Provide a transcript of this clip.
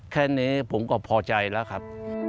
แค่นี้ผมก็พอใจแล้วครับ